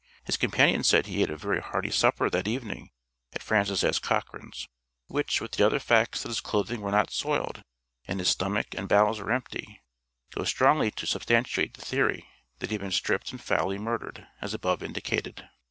His companions said he eat a very hearty supper that evening at Francis S. Cochran's, which with the other facts that his clothing were not soiled, and his stomach and bowels were empty, goes strongly to substantiate the theory that he had been stripped and foully murdered, as above indicated.